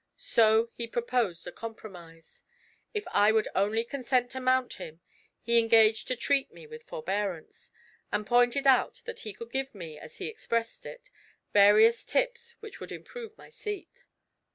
So he proposed a compromise. If I would only consent to mount him, he engaged to treat me with forbearance, and pointed out that he could give me, as he expressed it, various 'tips' which would improve my seat.